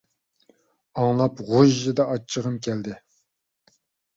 ئاڭلاپ غۇژژىدە ئاچچىقىم كەلدى.